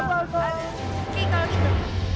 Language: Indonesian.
oke kalau gitu